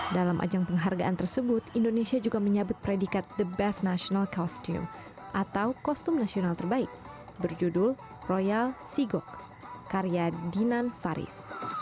dalam ajang penghargaan tersebut indonesia juga menyabut predikat the best national costum atau kostum nasional terbaik berjudul royal sigok karya dinan faris